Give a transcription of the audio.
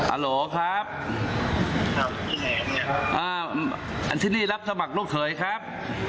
อ่าโหทีนี้รับสมัครลูกเขยครับ